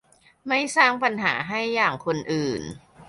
ไม่สร้างปัญหาให้อย่างคนอื่น